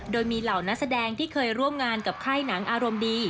โดยมีเหล่านักแสดงที่เคยร่วมงานกับค่ายหนังอารมณ์ดี